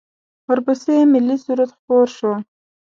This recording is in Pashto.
ورپسې ملی سرود خپور شو.